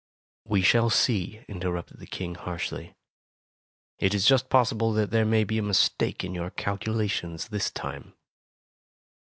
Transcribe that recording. "We shall see," interrupted the King, harshly; "it is just possible that there may be a mistake in your calculations this time."